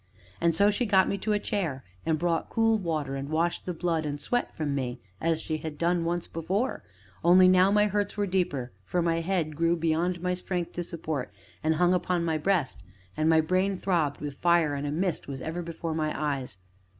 And so she got me to a chair, and brought cool water, and washed the blood and sweat from me, as she had once before, only now my hurts were deeper, for my head grew beyond my strength to support, and hung upon my breast, and my brain throbbed with fire, and the mist was ever before my eyes.